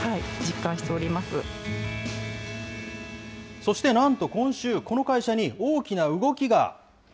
そしてなんと今週、この会社に大きな動きが。